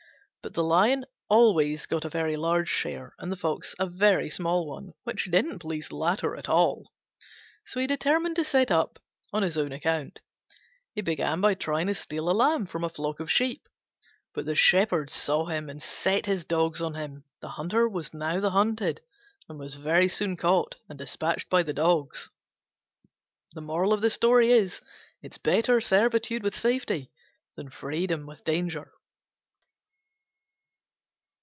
But the Lion always got a very large share, and the Fox a very small one, which didn't please the latter at all; so he determined to set up on his own account. He began by trying to steal a lamb from a flock of sheep: but the shepherd saw him and set his dogs on him. The hunter was now the hunted, and was very soon caught and despatched by the dogs. Better servitude with safety than freedom with danger.